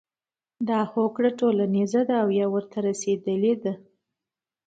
دا هوکړه ټولیزه ده او یا ورته رسیدلي دي.